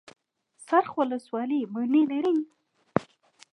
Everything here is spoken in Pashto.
څرخ ولسوالۍ مڼې لري؟